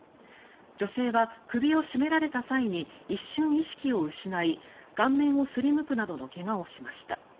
女性は、首を絞められた際に一瞬、意識を失い顔面をすりむくなどの怪我をしました。